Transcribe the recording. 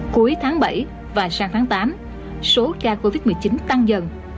cuối tháng bảy và sang tháng tám số ca covid một mươi chín tăng dần